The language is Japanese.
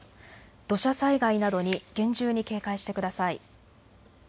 土砂災害などに厳重に警戒してください。